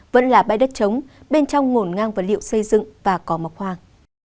vẫn là bãi đất trống bên trong ngổn ngang vật liệu xây dựng và có mộc hoàng